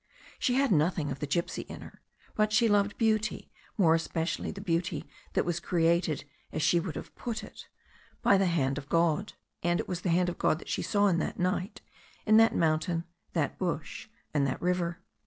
She had nothing of the gipsy in her, but she loved beauty, more especially^the beauty that was cre ated — as she would have put it — ^by the hand of God. And it was the hand of God that she saw in that night, in fiiat mountain, that bush and that river.